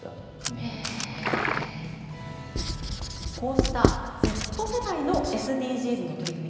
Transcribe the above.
こうしたＺ世代のＳＤＧｓの取り組み